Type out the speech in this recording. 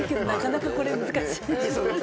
なかなかこれ難しい。